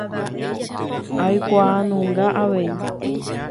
Aikuaanunga avei.